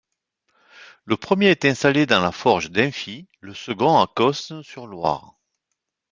Le premier est installé dans la forge d'Imphy, le second à Cosne-sur-Loire.